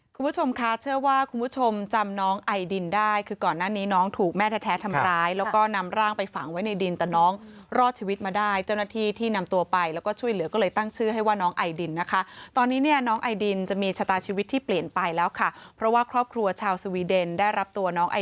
คุณผู้ชมคะเชื่อว่าคุณผู้ชมจำน้องไอดินได้คือก่อนหน้านี้น้องถูกแม่แท้ทำร้ายแล้วก็นำร่างไปฝังไว้ในดินแต่น้องรอดชีวิตมาได้เจ้าหน้าที่ที่นำตัวไปแล้วก็ช่วยเหลือก็เลยตั้งชื่อให้ว่าน้องไอดินนะคะตอนนี้เนี่ยน้องไอดินจะมีชะตาชีวิตที่เปลี่ยนไปแล้วค่ะเพราะว่าครอบครัวชาวสวีเดนได้รับตัวน้องไอ